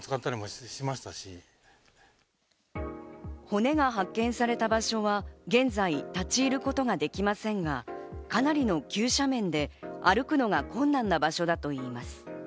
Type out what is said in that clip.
骨が発見された場所は現在、立ち入ることができませんが、かなりの急斜面で、歩くのが困難な場所だといいます。